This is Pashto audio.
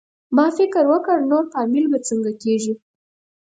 ما فکر وکړ نور فامیل به څنګه کېږي؟